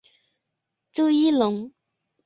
朱一龙